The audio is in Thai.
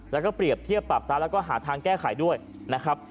แล้วก็เปรียบเทียบปรับซะแล้วก็หาทางแก้ไขด้วยนะครับ